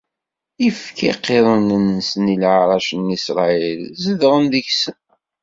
Ifka iqiḍunen-nsen i leɛrac n Isṛayil, zedɣen deg-sen.